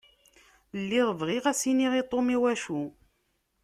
Lliɣ bɣiɣ ad s-iniɣ i Tom iwacu.